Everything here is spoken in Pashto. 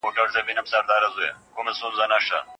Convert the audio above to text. سعید د خپلې کتابچې منځ کې د کلا عکس کېښود.